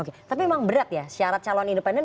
oke tapi memang berat ya syarat calon independen